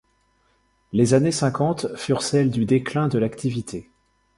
Les années cinquante furent celles du déclin de l'activité.